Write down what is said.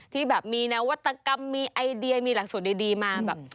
ที่แบบมีนวัตกรรมมีไอเดียมีหลักสูตรดีมาแบบ